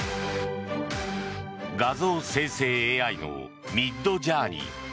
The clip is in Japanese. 画像生成ＡＩのミッドジャーニー。